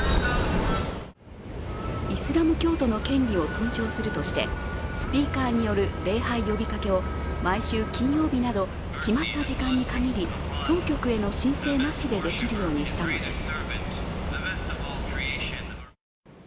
イスラム教徒の権利を尊重するとしてスピーカーによる礼拝呼びかけを毎週金曜日など、決まった時間にかぎり当局への申請なしでできるようにしたのです。